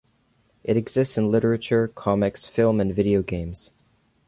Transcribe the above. It exists in literature, comics, film, and video games.